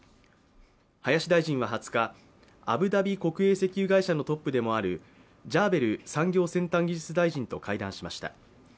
林大臣は２０日、アブダビ国営石油会社のトップでもあるジャーベル産業・先端技術大臣と会談しました。